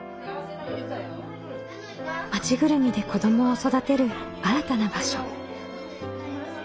町ぐるみで子どもを育てる新たな場所。